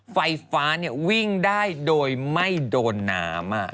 ไฟฟ้าวิ่งได้โดยไม่โดนน้ำ